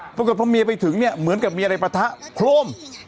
เพราะเกิดพ่อเมียไปถึงเหมือนกับเมียในประทะโครม